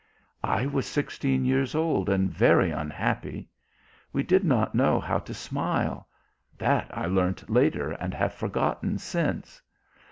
I was sixteen years old and very unhappy. We did not know how to smile; that I learnt later and have forgotten since.